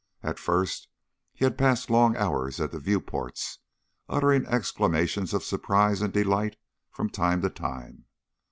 At first he had passed long hours at the viewports, uttering exclamations of surprise and delight from time to time.